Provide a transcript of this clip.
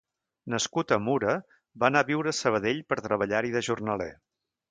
Nascut a Mura, va anar a viure a Sabadell per treballar-hi de jornaler.